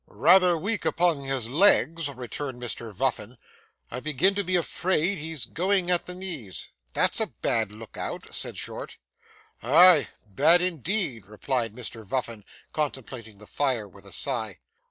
'Rather weak upon his legs,' returned Mr Vuffin. 'I begin to be afraid he's going at the knees.' 'That's a bad look out,' said Short. 'Aye! Bad indeed,' replied Mr Vuffin, contemplating the fire with a sigh.